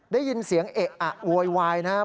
ได้ยินเสียงเอะอะโวยวายนะครับ